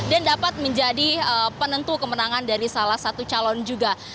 dan dapat menjadi penentu kemenangan dari salah satu calon juga